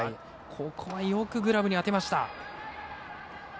ここはよくグラブに当てました。